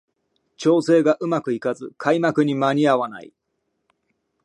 調整がうまくいかず開幕に間に合わない